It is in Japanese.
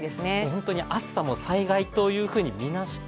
本当に暑さも災害というふうにみなして、